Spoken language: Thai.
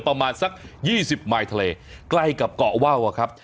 ประมาณสัก๒๐มายทะเลใกล้กับเกาะว่าวอะครับ